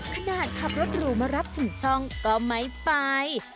ขนาดขับรถหรูมารับถึงช่องก็ไม่ไป